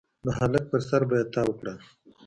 د هلک پر سر به يې تاو کړل.